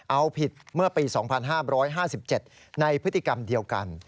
เอาผิดเมื่อปี๒๕๕๗ในพฤติกรรมเดียวกัน